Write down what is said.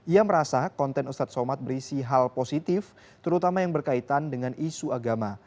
ia merasa konten ustadz somad berisi hal positif terutama yang berkaitan dengan isu agama